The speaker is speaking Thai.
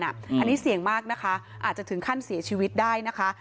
อันนี้เสี่ยงมากนะคะอาจจะถึงขั้นเสียชีวิตได้นะคะ